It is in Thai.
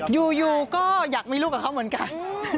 อยู่ก็อยากมีลูกกับเขาเหมือนกัน